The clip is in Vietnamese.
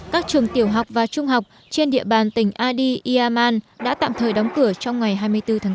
các trường tiểu học và trung học trên địa bàn tỉnh ady yaman đã tạm thời đóng cửa trong ngày hai mươi bốn tháng bốn